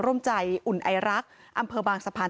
ร่วมใจอุ่นไอรักอำเภอบางสะพาน